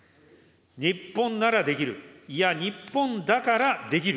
日本ならできる、いや、日本だからできる。